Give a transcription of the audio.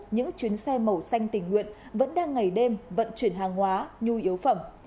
những chuyến xe màu xanh tình nguyện vẫn đang ngày đêm vận chuyển hàng hóa nhu yếu phẩm